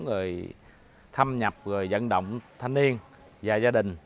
vì thâm nhập rồi dẫn động thanh niên và gia đình